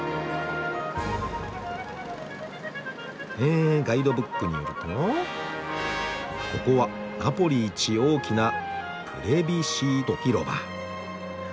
えガイドブックによるとここはナポリ一大きな「プレビシート広場」。